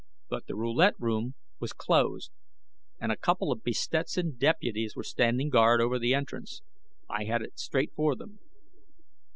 But the roulette room was closed, and a couple of be Stetsoned deputies were standing guard over the entrance. I headed straight for them.